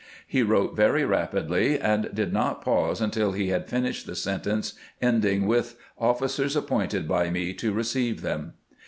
He wrote very rapidly, and did not pause until he had finished the sentence ending with "officers appointed by me to receive them."